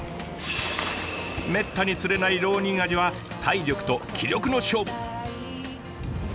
めったに釣れないロウニンアジは体力と気力の勝負。